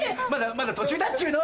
まだ途中だっちゅうの！